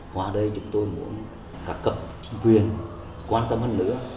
họa đây chúng tôi muốn các cộng quyền quan tâm hơn nữa